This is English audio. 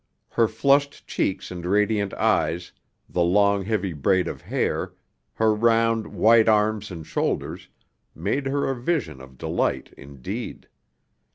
Her flushed cheeks and radiant eyes, the long heavy braid of hair, her round white arms and shoulders, made her a vision of delight indeed.